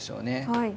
はい。